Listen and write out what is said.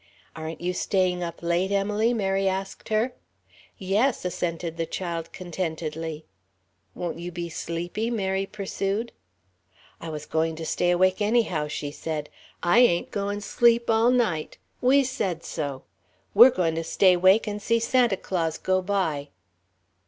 "Aren't you staying up late, Emily?" Mary asked her. "Yes," assented the child, contentedly. "Won't you be sleepy?" Mary pursued. "I was going to stay awake anyhow," she said; "I ain't goin' sleep all night. We said so. We're goin' stay 'wake and see Santa Claus go by."